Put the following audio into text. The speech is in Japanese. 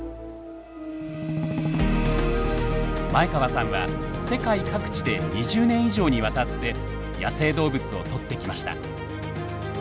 前川さんは世界各地で２０年以上にわたって野生動物を撮ってきました。